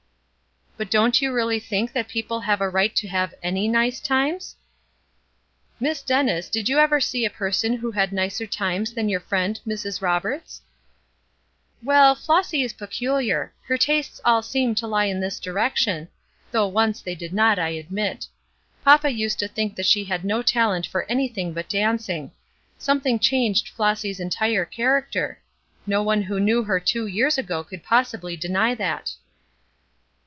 "But don't you really think that people have a right to have any nice times?" "Miss Dennis, did you ever see any person who had nicer times than your friend, Mrs. Roberts?" "Well, Flossy is peculiar; her tastes all seem to lie in this direction; though once they did not, I admit. Papa used to think that she had no talent for anything but dancing. Something changed Flossy's entire character. No one who knew her two years ago could possibly deny that."